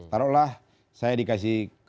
taruh lah saya dikasih